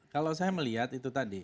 kalau saya melihat itu tadi